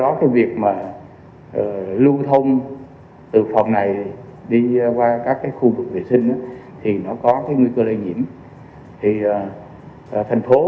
do đó việc lưu thông từ phòng này đi qua các khu vệ sinh thì nó có nguy cơ lây nhiễm